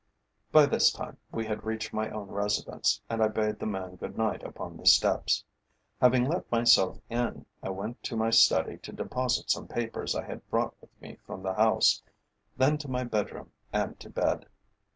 By this time we had reached my own residence, and I bade the man good night upon the steps. Having let myself in, I went to my study to deposit some papers I had brought with me from the House, then to my bedroom and to bed.